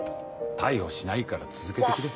逮捕しないから続けてくれ。